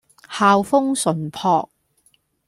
校風純樸